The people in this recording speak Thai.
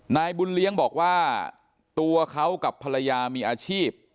นายบุญเลี้ยงบอกว่าตัวเขากับภรรยามีอาชีพ